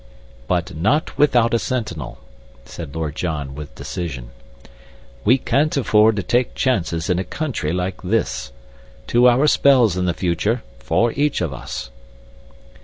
"But not without a sentinel," said Lord John, with decision. "We can't afford to take chances in a country like this. Two hour spells in the future, for each of us."